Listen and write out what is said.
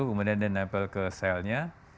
kemudian dia nempel ke selnya